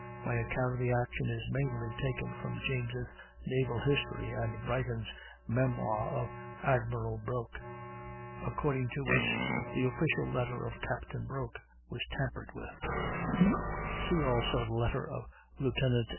My account of the action is mainly taken from James' "Naval History" and Brighton's "Memoir of Admiral Broke" (according to which the official letter of Captain Broke was tampered with); see also the letter of Lieut.